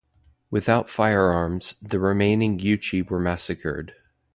Without firearms, the remaining Yuchi were massacred.